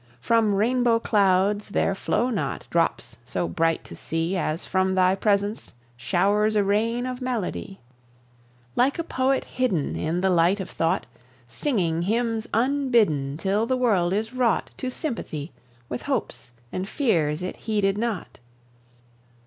From rainbow clouds there flow not Drops so bright to see As from thy presence showers a rain of melody: Like a poet hidden In the light of thought; Singing hymns unbidden, Till the world is wrought To sympathy with hopes and fears it heeded not.